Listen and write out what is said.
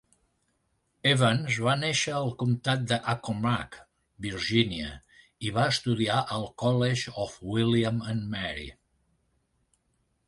Evans va néixer al comtat de Accomack, Virginia, i va estudiar al College of William and Mary.